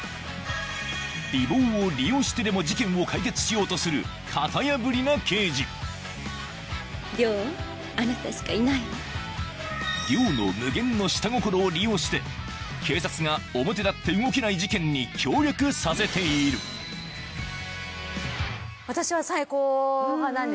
美貌を利用してでも事件を解決しようとする型破りな刑事あなたしかいないわ。の無限のして警察が表立って動けない事件に協力させている私は冴子派なんです。